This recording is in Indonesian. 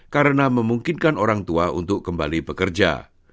karena memungkinkan orang tua untuk kembali bekerja